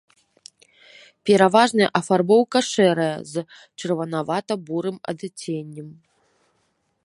Пераважная афарбоўка шэрая з чырванавата-бурым адценнем.